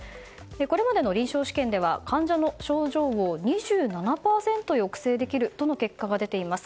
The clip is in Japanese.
これまでの臨床試験では患者の症状を２７％抑制できるとの結果が出ています。